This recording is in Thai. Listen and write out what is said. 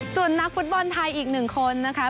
ส่วนนักฟุตบอลไทยอีกหนึ่งคนนะคะ